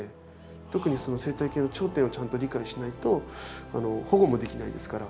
特にその生態系の頂点をちゃんと理解しないと保護もできないですから。